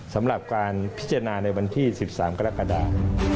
สำหรับการพิจารณาในวันที่๑๓กรกฎา